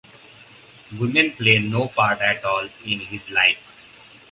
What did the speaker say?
Women play no part at all in his life.